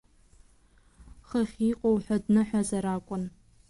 Хыхь иҟоу ҳәа дныҳәазар акәын.